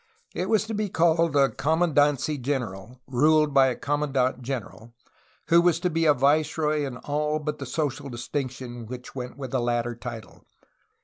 It was to be called a conmiandancy general, ruled by a commandant general, who was to be a viceroy in all but the social dis tinction which went with the latter title.